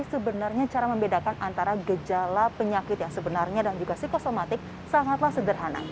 sebenarnya cara membedakan antara gejala penyakit yang sebenarnya dan juga psikosomatik sangatlah sederhana